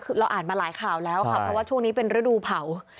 คือเราอ่านมาหลายข่าวแล้วค่ะเพราะว่าช่วงนี้เป็นฤดูเผา